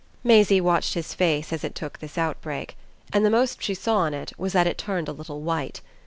Maisie watched his face as it took this outbreak, and the most she saw in it was that it turned a little white.